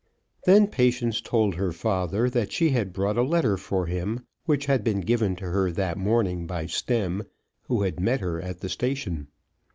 Then Patience told her father that she had brought a letter for him which had been given to her that morning by Stemm, who had met her at the station.